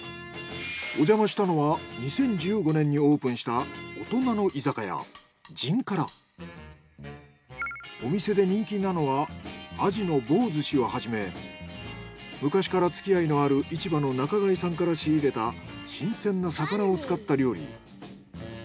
おじゃましたのは２０１５年にオープンしたお店で人気なのは鯵の棒寿司をはじめ昔からつきあいのある市場の仲買さんから仕入れた新鮮な魚を使った料理。